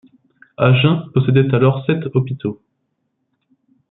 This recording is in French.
Agen possédait alors sept hôpitaux.